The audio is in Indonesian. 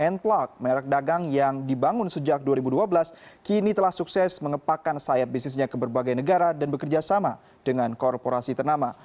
n plug merek dagang yang dibangun sejak dua ribu dua belas kini telah sukses mengepakkan sayap bisnisnya ke berbagai negara dan bekerja sama dengan korporasi ternama